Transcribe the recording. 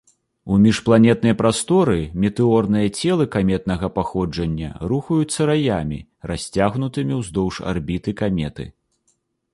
У міжпланетнай прасторы метэорныя целы каметнага паходжання рухаюцца раямі, расцягнутымі ўздоўж арбіты каметы.